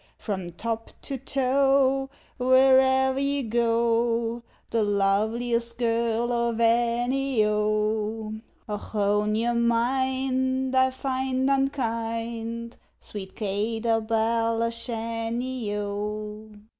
From top to toe, where'er you go, The loveliest girl of any, O, Ochone! your mind I find unkind, Sweet Kate o' Belashanny, O!